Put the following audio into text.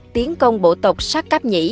tiến công bộ tộc sát cáp nhĩ